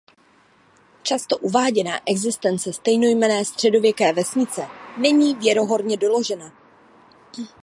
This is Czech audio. Často uváděná existence stejnojmenné středověké vesnice není věrohodně doložena.